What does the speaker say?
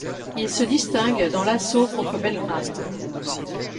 Il se distingue dans l'assaut contre Belgrade.